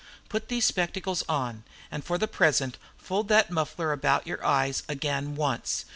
"Put these spectacles on, and for the present fold that muffler about your eyes again once.